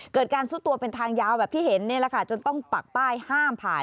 เกิดการซุดตัวเป็นทางยาวแบบที่เห็นนี่แหละค่ะจนต้องปักป้ายห้ามผ่าน